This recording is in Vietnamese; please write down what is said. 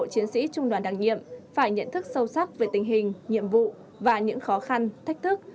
chiến sĩ trung đoàn đảng nhiệm phải nhận thức sâu sắc về tình hình nhiệm vụ và những khó khăn thách thức